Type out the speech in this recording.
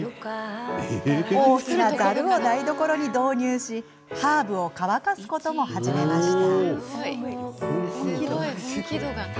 大きなざるを台所に導入しハーブを乾かすことも始めました。